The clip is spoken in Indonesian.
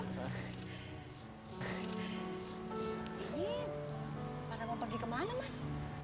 eh mbak kalian mau pergi ke mana mas